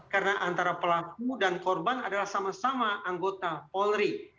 karena antara pelaku dan korban adalah sama sama anggota polri